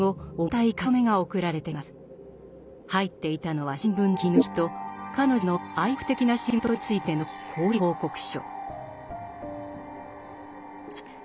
入っていたのは新聞の切り抜きと彼女の「愛国的な仕事」についての公式報告書。